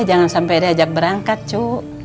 jangan sampai diajak berangkat cu